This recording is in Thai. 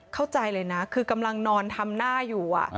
เข้าใจเลยนะคือกำลังนอนทำหน้าอยู่